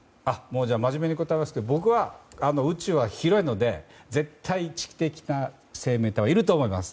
まじめに答えますけど僕は宇宙は広いので絶対知的生命体はいると思います。